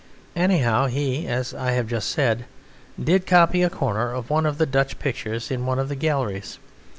Anyhow, he, as I have just said, did copy a corner of one of the Dutch pictures in one of the galleries.